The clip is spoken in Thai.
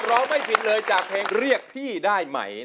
ร้องไม่ผิดเลยจากเพลงเรียกพี่ได้ไหม